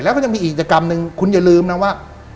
แล้วก็ยังมีอีกกิจกรรมหนึ่งคุณอย่าลืมนะว่า